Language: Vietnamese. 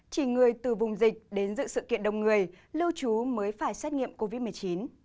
chỉ người từ vùng dịch đến dự sự kiện đông người lưu trú mới phải xét nghiệm covid một mươi chín